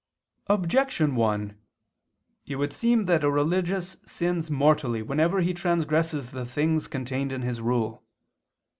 Objection 1: It would seem that a religious sins mortally whenever he transgresses the things contained in his rule.